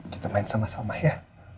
kita main sama sama ya